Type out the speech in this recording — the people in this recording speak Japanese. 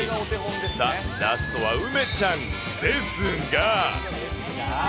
さあ、ラストは梅ちゃんですが。